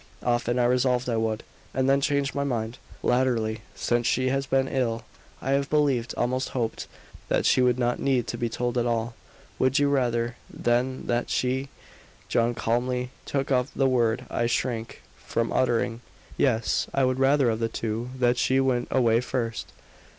Often I resolved I would, and then changed my mind. Latterly, since she has been ill, I have believed, almost hoped, that she would not need to be told at all." "Would you rather, then, that she " John calmly took up the word I shrank from uttering. "Yes; I would rather of the two that she went away first.